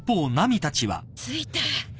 着いた。